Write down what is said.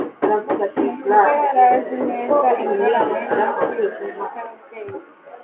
Umukiza yari azi neza ingorane n'icyifuzo cy'ababyeyi